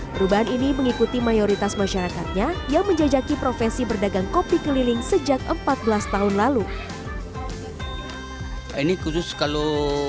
perubahan ini mengikuti mayoritas masyarakatnya yang menjajaki profesi berdagang kopi keliling sejak empat belas tahun lalu